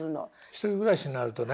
独り暮らしになるとね。